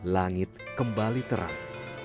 langit kembali terang